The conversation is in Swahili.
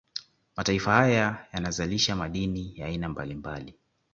Mataifa haya yanazalisha madini ya aina mbalimbali